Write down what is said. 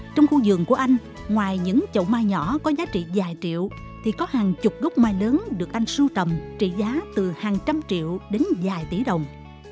trong khu giường của anh ngoài những chậu mai nhỏ có giá trị dài triệu thì có hàng chục gốc mai lớn được anh sưu tầm trị giá từ hàng trăm triệu đến vài tỷ đồng